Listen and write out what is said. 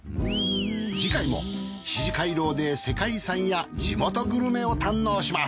次回も四寺廻廊で世界遺産や地元グルメを堪能します。